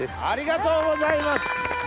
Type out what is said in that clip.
ありがとうございます。